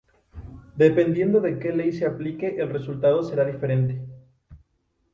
Dependiendo de que ley se aplique el resultado será diferente.